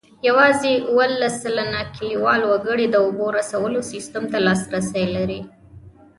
یوازې اوولس سلنه کلیوال وګړي د اوبو رسولو سیسټم ته لاسرسی لري.